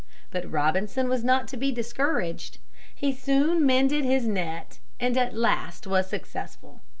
But Robinson was not to be discouraged. He soon mended his net and at last was successful.